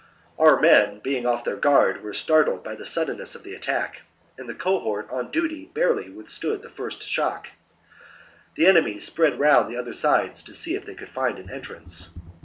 Our men, being off their guard, were startled by the suddenness of the attack, and the cohort on duty barely withstood the first shock. The enemy spread round the other sides, to see if they could find an entrance.